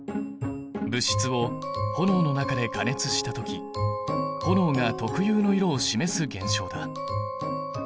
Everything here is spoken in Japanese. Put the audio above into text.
物質を炎の中で加熱した時炎が特有の色を示す現象だ。